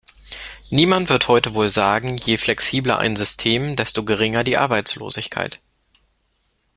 Niemand wird heute wohl sagen, je flexibler ein System, desto geringer die Arbeitslosigkeit.